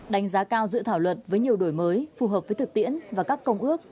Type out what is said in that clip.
đánh giá cao dự thảo luật với nhiều đổi mới phù hợp với thực tiễn và các công ước